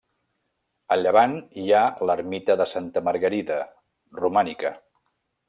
A llevant hi ha l'ermita de Santa Margarida, romànica.